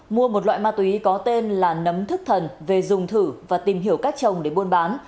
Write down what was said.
mua một loại ma túy có tên là nấm thức thần về dùng thử và tìm hiểu cách trồng để buôn bán